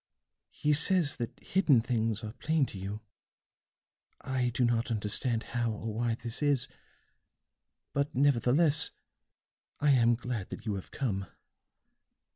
"He says that hidden things are plain to you. I do not understand how or why this is, but nevertheless I am glad that you have come.